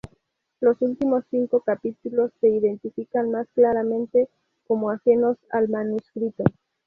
Los últimos cinco capítulos se identifican más claramente como ajenos al manuscrito.